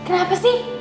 ih kenapa sih